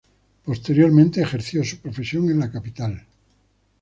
Posteriormente ejerció su profesión en la capital.